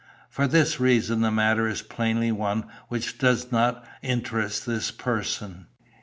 For this reason the matter is plainly one which does not interest this person.